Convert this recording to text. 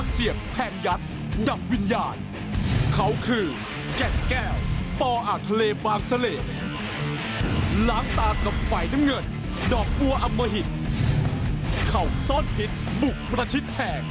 เขาคือเด็กอุบรณ์กอกกัมมะนาธ